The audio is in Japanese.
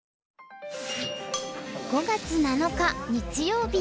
５月７日日曜日。